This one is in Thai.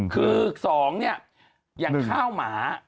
คือ๒เนี่ยอย่างข้าวหมา